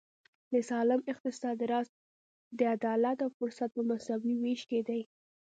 د سالم اقتصاد راز د عدالت او فرصت په مساوي وېش کې دی.